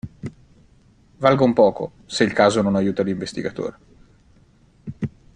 Valgon poco, se il Caso non aiuta l'investigatore.